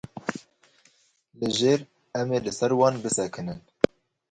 Li jêr em ê li ser wan bisekinin.